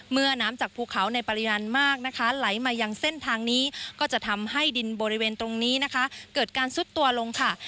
เมื่อน้ำจากภูเขาในปริมาณมากนะคะไหลมายังเส้นทางนี้ก็จะทำให้ดินบริเวณตรงนี้นะคะเกิดการซุดตัวลงค่ะ